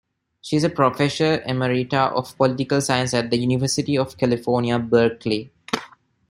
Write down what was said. She is a Professor Emerita of Political Science at the University of California, Berkeley.